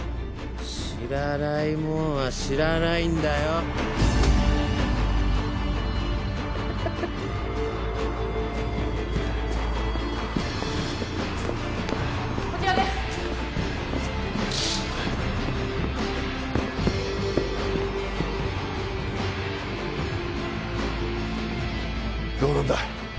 知らないもんは知らないんだよ・こちらですどうなんだ？